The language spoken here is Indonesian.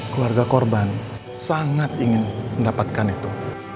keluarga korban sangat ingin mendapatkan itu